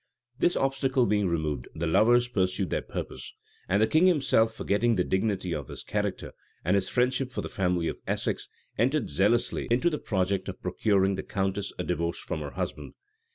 This obstacle being removed, the lovers pursued their purpose; and the king himself, forgetting the dignity of his character, and his friendship for the family of Essex, entered zealously into the project of procuring the countess a divorce from her husband.